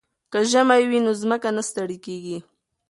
که ژمی وي نو ځمکه نه ستړې کیږي.